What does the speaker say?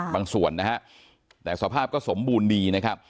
ส่วนนะฮะแต่สภาพก็สมบูรณ์ดีนะครับ